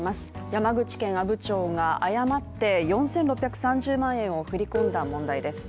山口県阿武町が誤って４６３０万円を振り込んだ問題です。